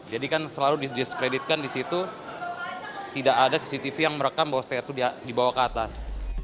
jadi kan selalu diskreditkan di situ tidak ada cctv yang merekam bahwa setair itu dibawa ke atas